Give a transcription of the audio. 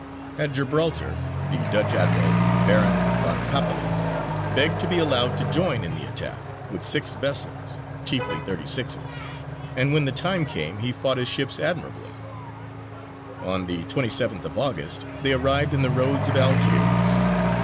At Gibraltar the Dutch admiral, Baron Van Capellan, begged to be allowed to join in the attack with six vessels, chiefly thirty sixes, and when the time came he fought his ships admirably. On the 27th of August they arrived in the roads of Algiers.